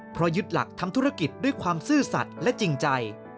เพราะยึดหลักทำธุรกิจด้วยความซื่อสัตว์และจริงใจ